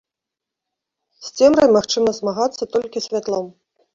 З цемрай магчыма змагацца толькі святлом.